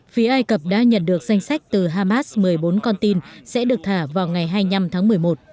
phía ai cập đã nhận được danh sách từ hamas một mươi bốn con tin sẽ được thả vào ngày hai mươi năm tháng một mươi một